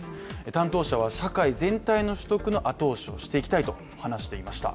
担当者は、社会全体の取得の後押しをしていきたいと話していました。